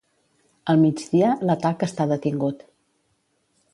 Al migdia, l'atac està detingut.